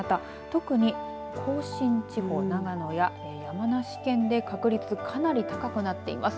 特に甲信地方長野や山梨県で確率、かなり高くなっています。